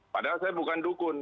padahal saya bukan dukun